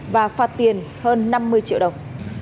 và phạt tiền hơn năm mươi triệu đồng